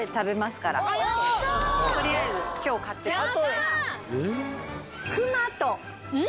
取りあえず今日買っときますね。